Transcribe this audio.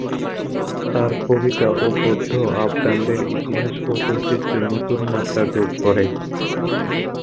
তার কবিতা ও গদ্য আফগানদের ইতিহাস ও ঐতিহ্যে নতুন মাত্রা যোগ করে।